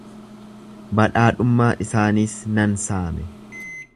Badhaadhummaa isaaniis nan saame.